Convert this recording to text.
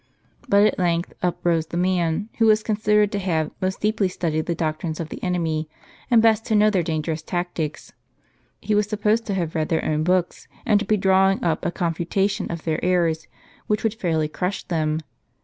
But, at length, up rose the man, who was considered to have most deeply studied the doctrines of the enemy, and best to know their dangei'ous tactics. He was supposed to have read their own books, and to be drawing up a confutation of their errors, which would fairly crush them.